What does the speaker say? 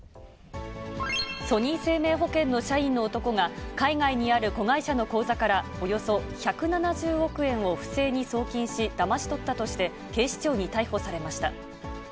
ソニー生命保険の社員の男が、海外にある子会社の口座から、およそ１７０億円を不正に送金し、だまし取ったとして、警視庁に逮捕されました。